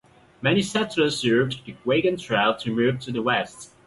Many settlers used the wagon trail to move to the West.